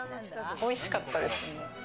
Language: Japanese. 美味しかったです。